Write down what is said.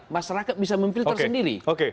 masyarakat bisa mempilter sendiri